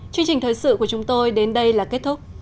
chương trình thời sự của chúng tôi đến đây là kết thúc